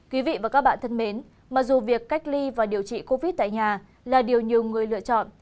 quý vị và các bạn thân mến mặc dù việc cách ly và điều trị covid tại nhà là điều nhiều người lựa chọn